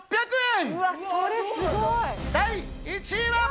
第１位は。